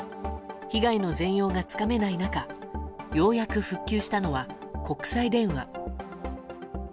被害の全容がつかめない中ようやく復旧したのは国際電話。